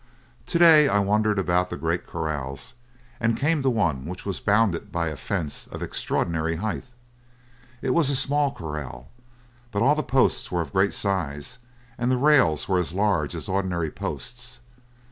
"To day I wandered about the great corrals and came to one which was bounded by a fence of extraordinary height. It was a small corral, but all the posts were of great size, and the rails were as large as ordinary posts.